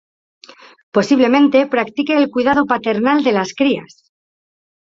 Posiblemente practique el cuidado paternal de las crías.